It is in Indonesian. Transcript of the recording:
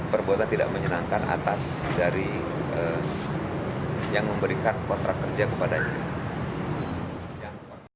perbuatan tidak menyenangkan atas dari yang memberikan kontrak kerja kepadanya